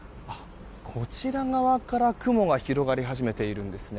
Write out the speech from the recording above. こちら側から雲が広がり始めているんですね。